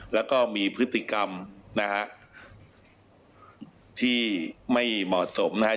แล้วก็มีพฤติกรรมนะฮะที่ไม่เหมาะสมนะฮะ